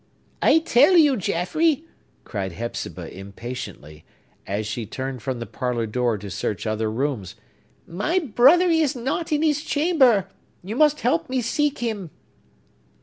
"I tell you, Jaffrey," cried Hepzibah impatiently, as she turned from the parlor door to search other rooms, "my brother is not in his chamber! You must help me seek him!"